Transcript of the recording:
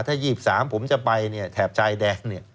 ถ้า๒๓ผมจะไปแถบชายแดน